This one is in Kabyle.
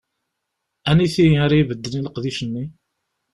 Aniti ara ibedden i leqdic-nni?